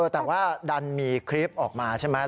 แต่ว่าดันมีคลิปออกมาใช่ไหม